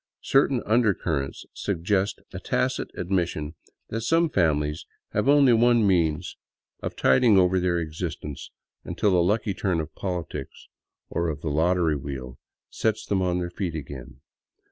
Certain undercurrents i'Uggest a tacit admission that some families have only one means of 147 VAGABONDING DOWN THE ANDES tiding over their existence until a lucky turn of politics, or of the lottery wheel, sets them on their feet again.